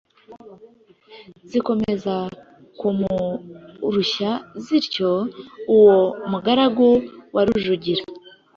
Zikomeza kumurushya zityo, uwo mugaragu wa Rujugira